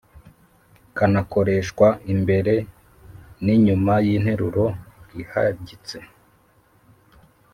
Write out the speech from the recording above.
kanakoreshwa imbere n‟inyuma y‟interuro ihagitse.